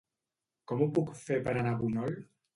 Com ho puc fer per anar a Bunyol?